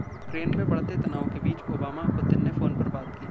Ukraine में बढ़ते तनाव के बीच ओबामा, पुतिन ने फोन पर बात की